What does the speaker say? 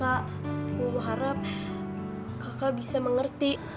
aku harap kakak bisa mengerti